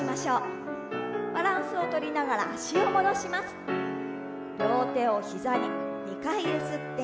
バランスをとりながら脚を戻して。